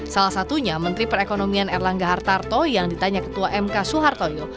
salah satunya menteri perekonomian erlangga hartarto yang ditanya ketua mk soehartoyo